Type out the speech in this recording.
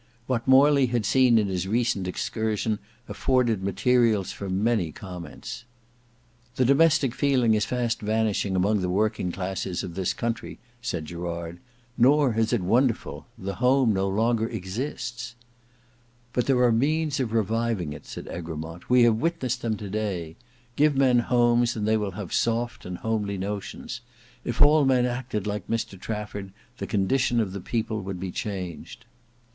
What Morley had seen in his recent excursion afforded materials for many comments. "The domestic feeling is fast vanishing among the working classes of this country," said Gerard; "nor is it wonderful—the Home no longer exists." "But there are means of reviving it," said Egremont; "we have witnessed them to day. Give men homes, and they will have soft and homely notions, If all men acted like Mr Trafford, the condition of the people would be changed."